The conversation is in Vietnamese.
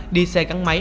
đi xe cắn máy